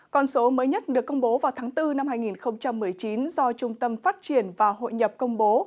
con số mới nhất được công bố vào tháng bốn năm hai nghìn một mươi chín do trung tâm phát triển và hội nhập công bố